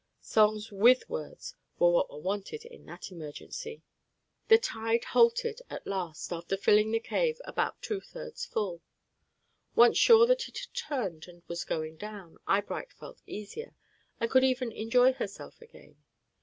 Songs with words were what were wanted in that emergency. The tide halted at last, after filling the cave about two thirds full. Once sure that it had turned and was going down, Eyebright felt easier, and could even enjoy herself again.